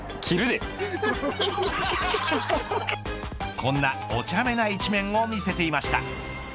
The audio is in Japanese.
こんな、おちゃめな一面を見せていました。